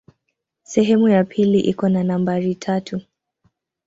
Sehemu ya pili iko na nambari tatu.